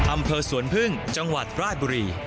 อำเภอสวนพึ่งจังหวัดราชบุรี